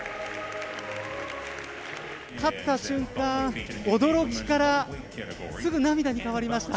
勝った瞬間、驚きからすぐ涙に変わりました。